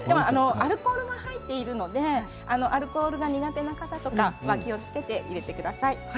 アルコールが入ってるのでアルコールが苦手な方とかは気をつけて入れてください。